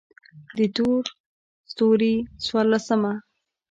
د تور ستوري څوارلسمه: